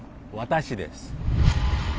私です